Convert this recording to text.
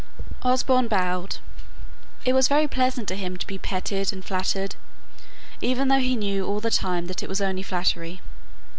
Osborne bowed. It was very pleasant to him to be petted and flattered, even though he knew all the time that it was only flattery.